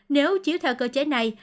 nếu chiếu theo cơ chế này